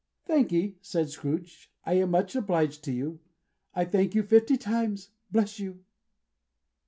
"Thank'ee," said Scrooge. "I am much obliged to you. I thank you fifty times. Bless you!"